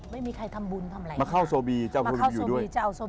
ไม่มีใครทำบุญทำอะไรมาเข้าโตบีจะเอาโตบีอยู่ด้วย